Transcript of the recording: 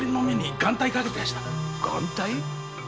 「眼帯」？